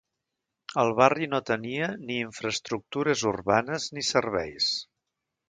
El barri no tenia ni infraestructures urbanes ni serveis.